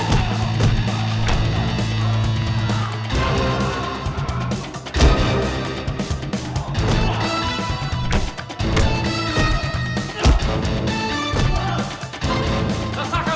sok bahasa inggris care